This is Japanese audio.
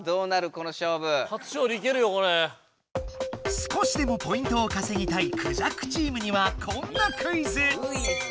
少しでもポイントをかせぎたいクジャクチームにはこんなクイズ。